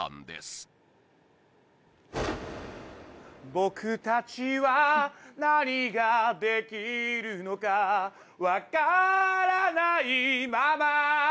僕たちは何ができるのか分からないまま